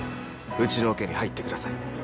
うちのオケに入ってください。